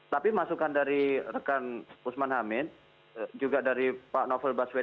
tapi masukan dari rekan usman hamid juga dari pak novel baswedan